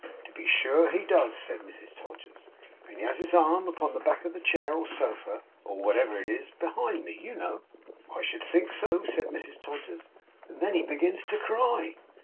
'To be sure he does,' said Mrs Todgers. 'And he has his arm upon the back of the chair or sofa, or whatever it is behind me, you know.' 'I should think so,' said Mrs Todgers. 'And then he begins to cry!